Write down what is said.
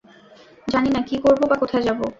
জানি না কী করব বা কোথায় যাবো।